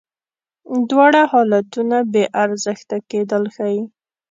دواړه حالتونه بې ارزښته کېدل ښیې.